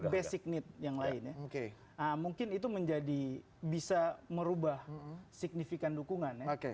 basic need yang lain ya mungkin itu menjadi bisa merubah signifikan dukungan ya